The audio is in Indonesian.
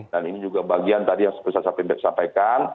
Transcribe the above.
dan ini juga bagian tadi yang saya ingin sampaikan